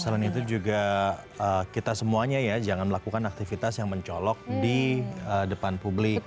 selain itu juga kita semuanya ya jangan melakukan aktivitas yang mencolok di depan publik